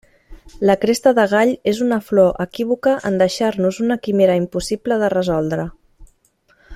La cresta de gall és una flor equívoca en deixar-nos una quimera impossible de resoldre.